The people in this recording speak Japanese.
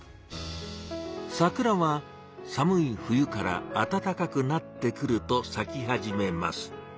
桜は寒い冬からあたたかくなってくると咲き始めます。